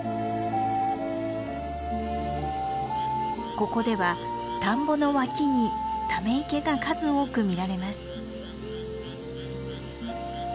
ここでは田んぼの脇にため池が数多く見られます。